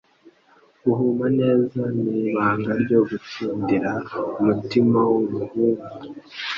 guhuma neza nibanga ryo gutsindira umutima wumuhungu